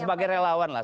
sebagai relawan lah